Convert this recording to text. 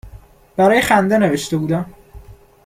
برای خنده نوشته بودم